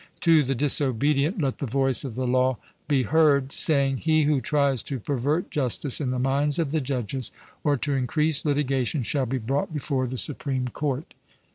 To the disobedient let the voice of the law be heard saying: He who tries to pervert justice in the minds of the judges, or to increase litigation, shall be brought before the supreme court.